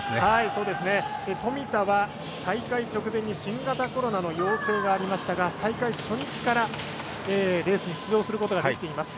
富田は大会直前に新型コロナの陽性がありましたが大会初日からレースに出場することができています。